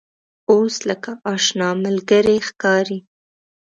اوس لکه آشنا ملګری ښکاري.